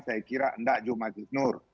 saya kira tidak juga mas isnur